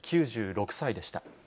９６歳でした。